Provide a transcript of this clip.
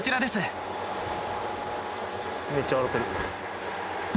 めっちゃ笑てる